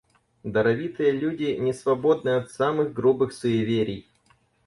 Даровитые люди не свободны от самых грубых суеверий.